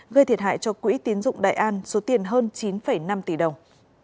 gây thiệt hại cho quỹ tiến dụng đại an số tiền hơn chín năm tỷ đồng